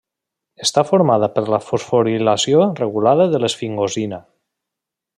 Està formada per la fosforilació regulada de l'esfingosina.